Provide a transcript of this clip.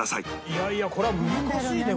いやいやこれは難しいねこれ。